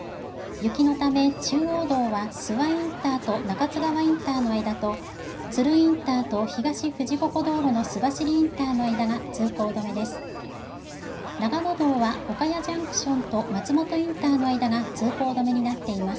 雪のため中央道は諏訪インターと中津川インターの間と都留インターと東富士五湖道路の須走インターの間が通行止めです。